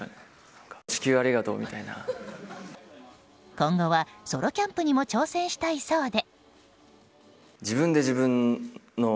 今後はソロキャンプにも挑戦したいそうで。